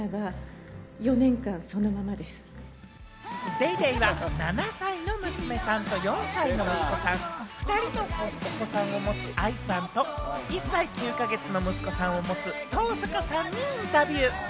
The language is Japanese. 『ＤａｙＤａｙ．』は７歳の娘さんと４歳の息子さん、２人のお子さんを持つＡＩさんと、１歳９か月の息子さんを持つ登坂さんにインタビュー。